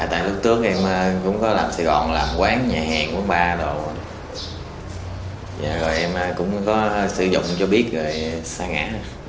tại lúc trước em cũng có làm sài gòn làm quán nhà hàng quán bar em cũng có sử dụng cho biết xa ngã